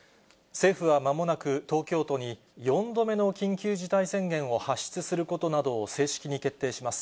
政府はまもなく東京都に４度目の緊急事態宣言を発出することなどを正式に決定します。